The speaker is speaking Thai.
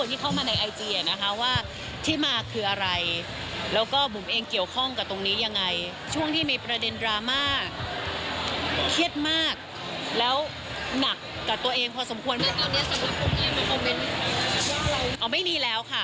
แล้วตอนนี้สำหรับคนไหนมาคอมเม้นต์ว่าอะไร